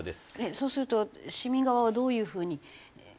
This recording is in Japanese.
そうすると市民側はどういうふうに。